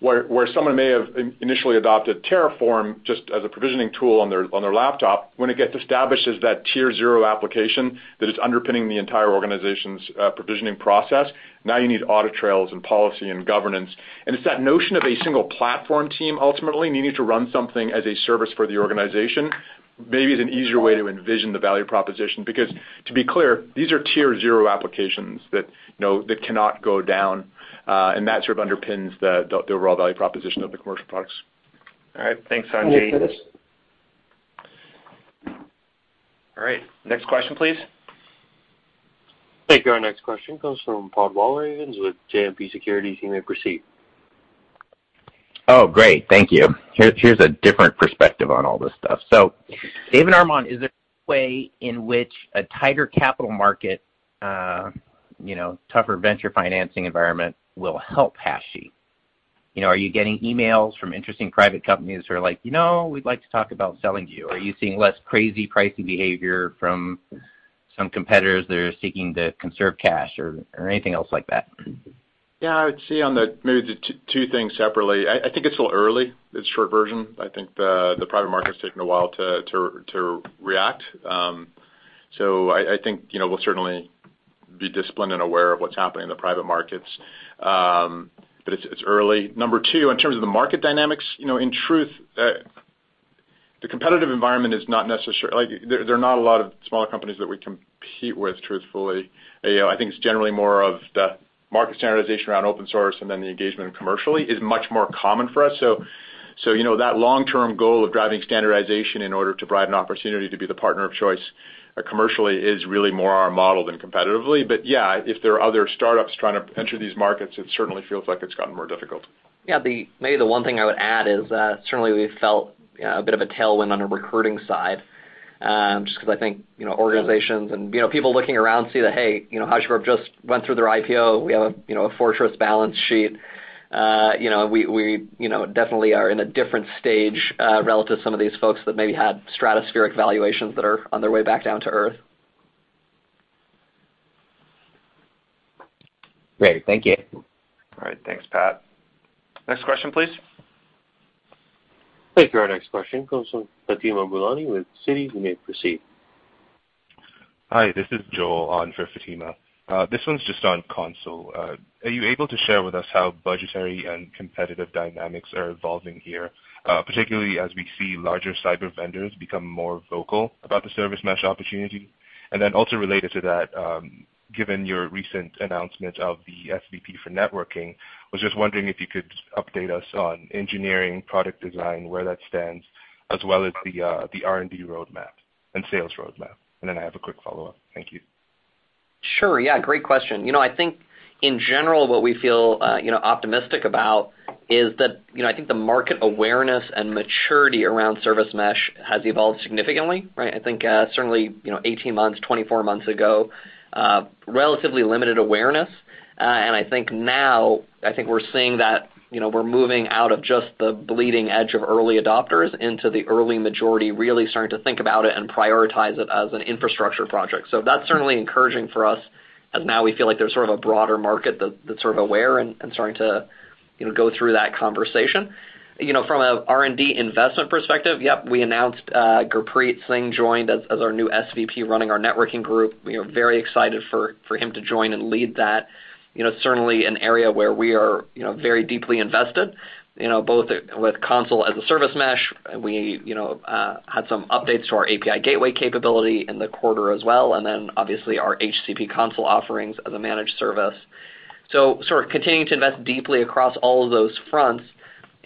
Where someone may have initially adopted Terraform just as a provisioning tool on their laptop, when it gets established as that Tier zero application that is underpinning the entire organization's provisioning process, now you need audit trails and policy and governance. It's that notion of a single platform team ultimately needing to run something as a service for the organization, maybe is an easier way to envision the value proposition. Because to be clear, these are Tier zero applications that cannot go down and that sort of underpins the overall value proposition of the commercial products. All right. Thanks, Sanjit. All right, next question, please. Thank you. Our next question comes from Pat Walravens with JMP Securities. You may proceed. Oh, great. Thank you. Here, here's a different perspective on all this stuff. Dave and Armon, is there a way in which a tighter capital market, you know, tougher venture financing environment will help Hashi? You know, are you getting emails from interesting private companies who are like, "You know, we'd like to talk about selling you." Are you seeing less crazy pricing behavior from some competitors that are seeking to conserve cash or anything else like that? Yeah, I would see on the two things separately. I think it's a little early, it's short version. I think the private market's taking a while to react. So I think, you know, we'll certainly be disciplined and aware of what's happening in the private markets. But it's early. Number two, in terms of the market dynamics, you know, in truth, the competitive environment is not necessarily like there are not a lot of smaller companies that we compete with truthfully. You know, I think it's generally more of the market standardization around open source, and then the engagement commercially is much more common for us. You know, that long-term goal of driving standardization in order to provide an opportunity to be the partner of choice commercially is really more our model than competitively. Yeah, if there are other startups trying to enter these markets, it certainly feels like it's gotten more difficult. Yeah. Maybe the one thing I would add is that certainly we felt, you know, a bit of a tailwind on the recruiting side, just 'cause I think, you know, organizations and, you know, people looking around see that, hey, you know, HashiCorp just went through their IPO. We have a, you know, a fortress balance sheet. You know, we definitely are in a different stage, relative to some of these folks that maybe had stratospheric valuations that are on their way back down to earth. Great. Thank you. All right. Thanks, Pat. Next question, please. Thank you. Our next question comes from Fatima Boolani with Citi. You may proceed. Hi, this is Joe on for Fatima. This one's just on Consul. Are you able to share with us how budgetary and competitive dynamics are evolving here, particularly as we see larger cyber vendors become more vocal about the service mesh opportunity? Then also related to that, given your recent announcement of the SVP for networking, I was just wondering if you could update us on engineering, product design, where that stands, as well as the R&D roadmap and sales roadmap. Then I have a quick follow-up. Thank you. Sure. Yeah, great question. You know, I think in general, what we feel, you know, optimistic about is that, you know, I think the market awareness and maturity around service mesh has evolved significantly, right? I think, certainly, you know, 18 months, 24 months ago, relatively limited awareness. And I think now, I think we're seeing that, you know, we're moving out of just the bleeding edge of early adopters into the early majority, really starting to think about it and prioritize it as an infrastructure project. So that's certainly encouraging for us as now we feel like there's sort of a broader market that's that's sort of aware and starting to, you know, go through that conversation. You know, from a R&D investment perspective, yep, we announced, Gurpreet Singh joined as our new SVP running our networking group. We are very excited for him to join and lead that. You know, certainly an area where we are, you know, very deeply invested, you know, both with Consul as a service mesh. We, you know, had some updates to our API gateway capability in the quarter as well, and then obviously our HCP Consul offerings as a managed service. Sort of continuing to invest deeply across all of those fronts.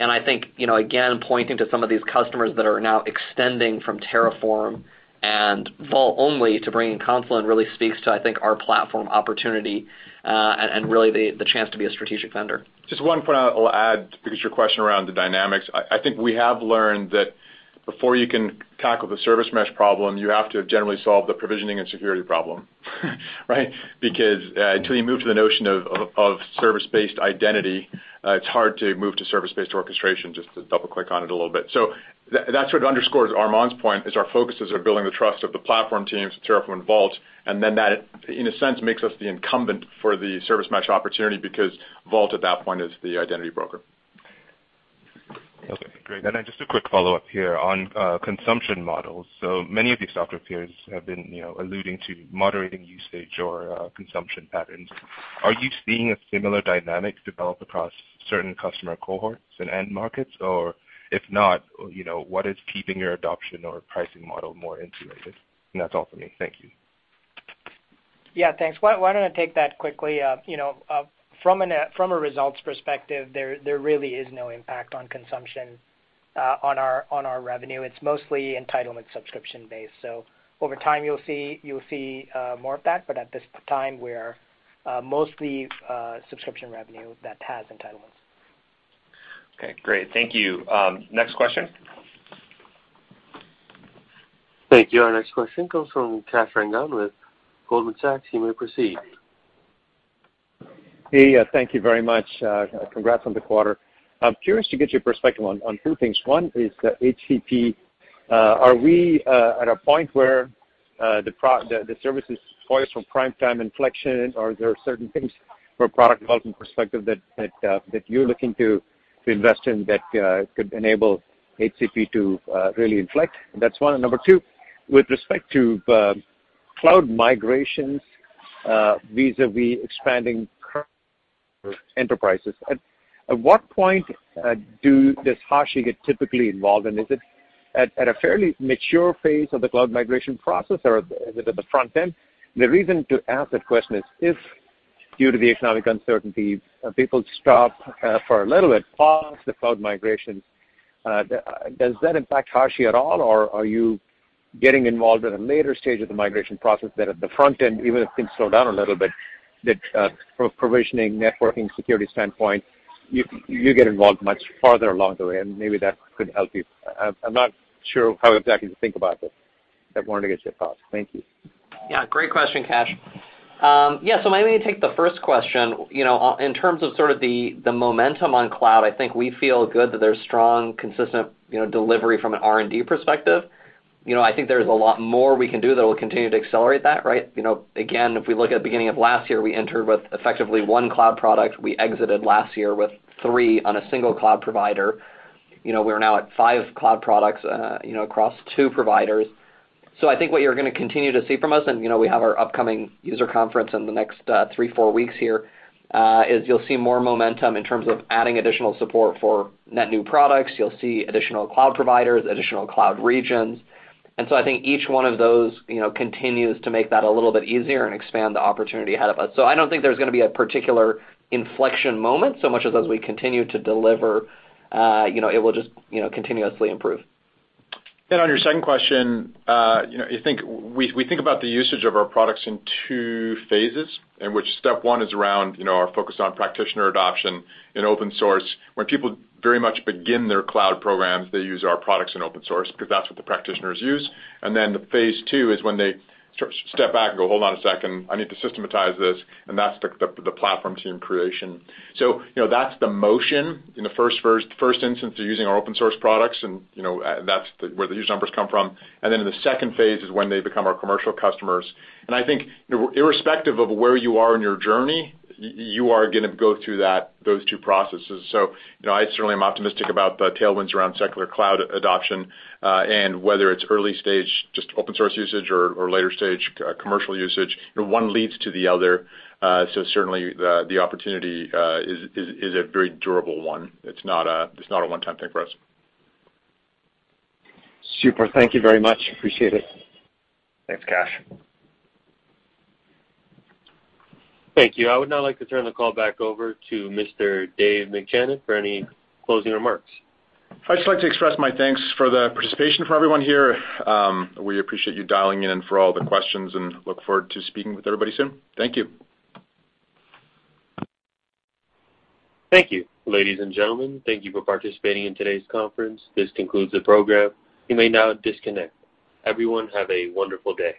I think, you know, again, pointing to some of these customers that are now extending from Terraform and Vault only to bringing Consul really speaks to, I think, our platform opportunity, and really the chance to be a strategic vendor. Just one point I will add because your question around the dynamics. I think we have learned that before you can tackle the service mesh problem, you have to generally solve the provisioning and security problem, right? Because until you move to the notion of service-based identity, it's hard to move to service-based orchestration just to double-click on it a little bit. That sort of underscores Armon's point. Our focus is on building the trust of the platform teams, Terraform and Vault, and then that, in a sense, makes us the incumbent for the service mesh opportunity because Vault at that point is the identity broker. Okay, great. Just a quick follow-up here on consumption models. Many of your software peers have been, you know, alluding to moderating usage or consumption patterns. Are you seeing a similar dynamic develop across certain customer cohorts and end markets? Or if not, you know, what is keeping your adoption or pricing model more insulated? That's all for me. Thank you. Yeah, thanks. Why don't I take that quickly? You know, from a results perspective, there really is no impact on consumption, on our revenue. It's mostly entitlement subscription-based. Over time you'll see more of that, but at this time, we're mostly subscription revenue that has entitlements. Okay, great. Thank you. Next question. Thank you. Our next question comes from Kash Rangan with Goldman Sachs. You may proceed. Hey, thank you very much. Congrats on the quarter. I'm curious to get your perspective on two things. One is the HCP. Are we at a point where the service is poised for primetime inflection? Are there certain things from a product development perspective that you're looking to invest in that could enable HCP to really inflect? That's one. And number two, with respect to cloud migrations vis-a-vis expanding current enterprises, at what point does Hashi get typically involved? And is it at a fairly mature phase of the cloud migration process, or is it at the front end? The reason to ask that question is, if due to the economic uncertainty, people stop for a little bit, pause the cloud migrations. Does that impact Hashi at all, or are you getting involved at a later stage of the migration process than at the front end, even if things slow down a little bit, from a provisioning, networking, security standpoint, you get involved much farther along the way, and maybe that could help you? I'm not sure how exactly to think about this. I wanted to get your thoughts. Thank you. Yeah, great question, Kash. Maybe to take the first question, you know, in terms of the momentum on cloud, I think we feel good that there's strong, consistent, you know, delivery from an R&D perspective. You know, I think there's a lot more we can do that will continue to accelerate that, right? You know, again, if we look at the beginning of last year, we entered with effectively one cloud product. We exited last year with three on a single cloud provider. You know, we're now at five cloud products, you know, across two providers. I think what you're gonna continue to see from us, and, you know, we have our upcoming user conference in the next three, four weeks here, is you'll see more momentum in terms of adding additional support for net new products. You'll see additional cloud providers, additional cloud regions. I think each one of those, you know, continues to make that a little bit easier and expand the opportunity ahead of us. I don't think there's gonna be a particular inflection moment so much as we continue to deliver, you know, it will just, you know, continuously improve. On your second question, you know, we think about the usage of our products in two phases in which step one is around, you know, our focus on practitioner adoption in open source. When people very much begin their cloud programs, they use our products in open source because that's what the practitioners use. Then the phase two is when they sort of step back and go, "Hold on a second. I need to systematize this," and that's the platform team creation. You know, that's the motion. In the first instance, they're using our open-source products, and, you know, that's where the huge numbers come from. Then in the second phase is when they become our commercial customers. I think, you know, irrespective of where you are in your journey, you are gonna go through that, those two processes. You know, I certainly am optimistic about the tailwinds around secular cloud adoption, and whether it's early stage, just open source usage or later stage commercial usage, you know, one leads to the other. Certainly the opportunity is a very durable one. It's not a one-time thing for us. Super. Thank you very much. Appreciate it. Thanks, Kash. Thank you. I would now like to turn the call back over to Mr. Dave McJannet for any closing remarks. I'd just like to express my thanks for the participation for everyone here. We appreciate you dialing in and for all the questions, and look forward to speaking with everybody soon. Thank you. Thank you. Ladies and gentlemen, thank you for participating in today's conference. This concludes the program. You may now disconnect. Everyone, have a wonderful day.